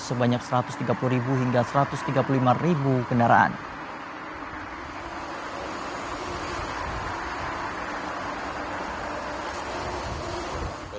sebanyak satu ratus tiga puluh hingga satu ratus tiga puluh lima kendaraan